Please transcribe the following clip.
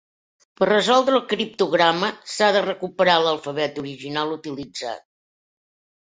Per resoldre el criptograma, s'ha de recuperar l'alfabet original utilitzat.